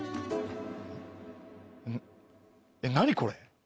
何これ！